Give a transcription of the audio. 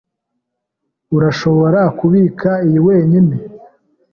Urashobora kubika iyi wenyine.